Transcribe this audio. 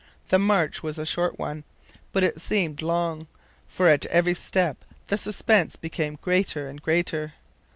The march was a short one; but it seemed long, for at every step the suspense became greater and greater.